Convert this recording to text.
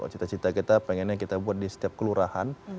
cita cita kita pengennya kita buat di setiap kelurahan